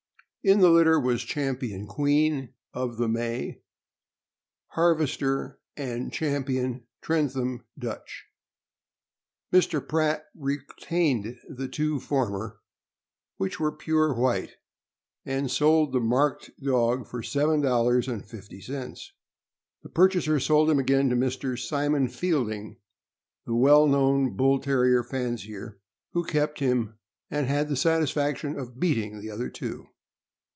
In the litter was Champion Queen of the May, Harvester, and Champion Trentham Dutch. Mr. Pratt retained the two former, which were pure white, and sold the marked dog for seven dollars and fifty cents. The purchaser sold him again to Mr. Simon Field ing, the well known Bull Terrier fancier, who kept him, and had the satisfaction of beating the other two.